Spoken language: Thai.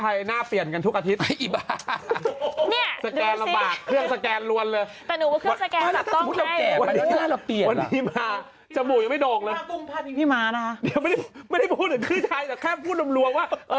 ถ้ายานเปลี่ยนเครืองล่วงได้อยู่ไม่โดงพี่ฉันพูดว่า